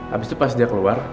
habis itu pas dia keluar